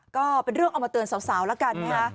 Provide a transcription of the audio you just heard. ก็เป็นเรื่องเอามาเตือนสาวแล้วกันนะฮะ